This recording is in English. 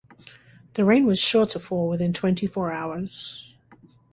The rain was sure to fall within twenty-four hours.